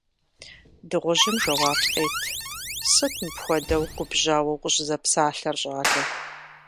Дыгъужьым жэуап къет: – Сыт мыпхуэдэу губжьауэ укъыщӀызэпсалъэр, щӀалэ.